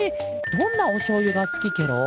どんなおしょうゆがすきケロ？